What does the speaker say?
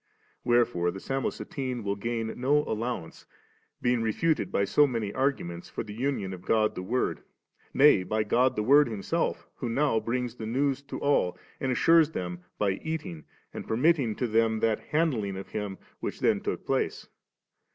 Wherefore the Samosatene will gain no allowance, being refuted by so many argu ments for the union of God the Word, nay by God the Word Himself who now brings the news to all, and assures them by eating, and permitting to them that handling of Him which then took place.